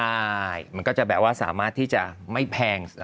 ใช่มันก็จะแบบว่าสามารถที่จะไม่แพง